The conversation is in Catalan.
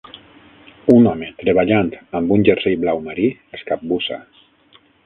Un home treballant amb un jersei blau marí es capbussa.